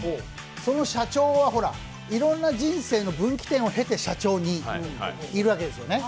その社長はいろんな人生の分岐点を経て社長にいるわけですよね。